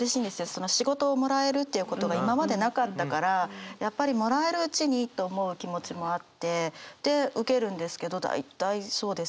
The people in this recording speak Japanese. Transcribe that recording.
その仕事をもらえるっていうことが今までなかったからやっぱりもらえるうちにと思う気持ちもあってで受けるんですけど大体そうですね